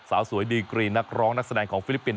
สาวสวยดีกรีนักร้องนักแสดงของฟิลิปปินส